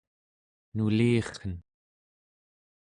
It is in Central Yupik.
nulirren